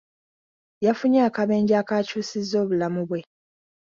Yafunye akabenje akaakyusizza obulamu bwe.